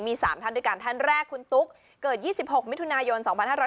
มี๓ท่านด้วยกันท่านแรกคุณตุ๊กเกิด๒๖มิถุนายน๒๕๖๐